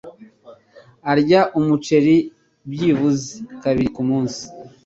arya umuceri byibuze kabiri kumunsi.